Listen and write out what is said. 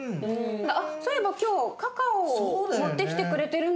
あっそういえば今日カカオを持ってきてくれてるんだったよね。